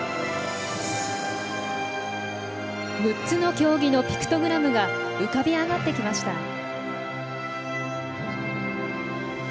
６ つの競技のピクトグラムが浮かび上がってきました。